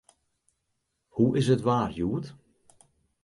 Hoe is it waar hjoed?